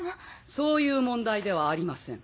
そういう問題ではありません。